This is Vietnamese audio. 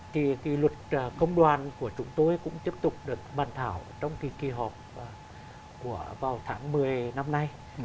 thì cái luật công đoàn của chúng tôi cũng tiếp tục được bàn thảo trong cái kỳ họp vào tháng một mươi năm nay